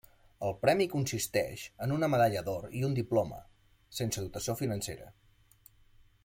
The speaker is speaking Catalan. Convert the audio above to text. El premi consisteix en una medalla d'or i un diploma, sense dotació financera.